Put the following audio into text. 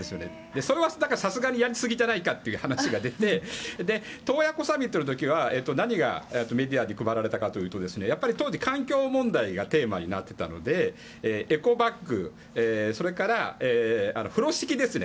それはさすがにやりすぎじゃないかという話が出て洞爺湖サミットの時は何がメディアに配られたかというと当時、環境問題が問題になっていたのでエコバッグそれから風呂敷ですね。